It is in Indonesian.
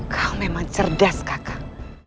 kau memang cerdas kakak